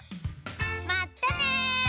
まったね！